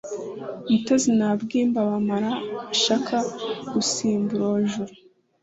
mutezi na bwimba, bamara ashaka gusimbura uwo juru